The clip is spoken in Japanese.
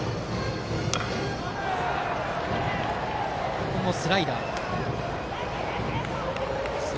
ここもスライダー。